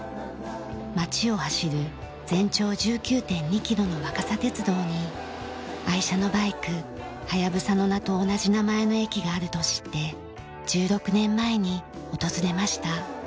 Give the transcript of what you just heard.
町を走る全長１９．２キロの若桜鉄道に愛車のバイク隼の名と同じ名前の駅があると知って１６年前に訪れました。